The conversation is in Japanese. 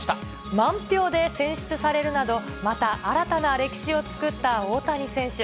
満票で選出されるなど、また新たな歴史を作った大谷選手。